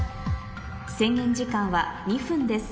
制限時間は２分です